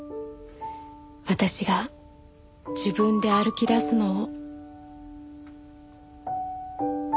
私が自分で歩き出すのを。